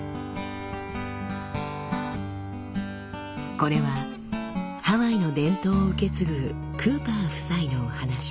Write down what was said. これはハワイの伝統を受け継ぐクーパー夫妻のお話。